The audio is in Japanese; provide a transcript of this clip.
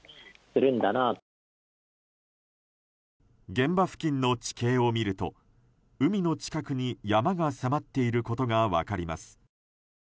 現場付近の地形を見ると海の近くに山が迫っていることが分かります。